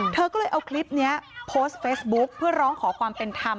เธอก็เลยเอาคลิปนี้โพสต์เฟซบุ๊คเพื่อร้องขอความเป็นธรรม